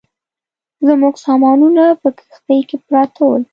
زموږ سامانونه په کښتۍ کې پراته ول.